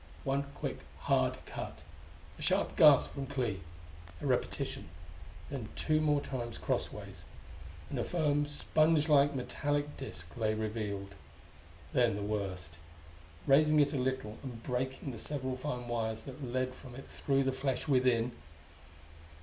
One quick hard cut; a sharp gasp from Clee; a repetition; then two more times crossways and a firm, spongelike metallic disc lay revealed. Then the worst raising it a little, and breaking the several fine wires that led from it through the flesh within....